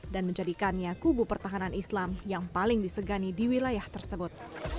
dan menjadikannya kubu pertahanan islam yang paling disegani di wilayah tersebut